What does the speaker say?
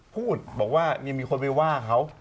พูดบอกว่ามีคนไปว่าเขา